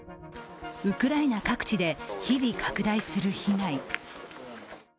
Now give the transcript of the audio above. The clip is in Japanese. ウクライナ各地で日々、拡大する被害。